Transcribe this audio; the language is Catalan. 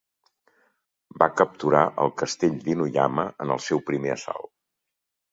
Va capturar el castell d'Inuyama en el seu primer assalt.